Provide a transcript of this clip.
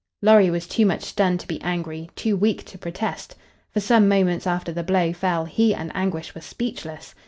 Lorry was too much stunned to be angry, too weak to protest. For some moments after the blow fell he and Anguish were speechless.